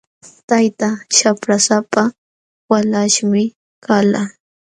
Taytaa shaprasapa walaśhmi kalqa.